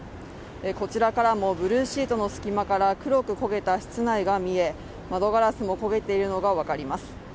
こちらからもブルーシートの隙間から黒く焦げた室内が見え窓ガラスも焦げているのが分かります。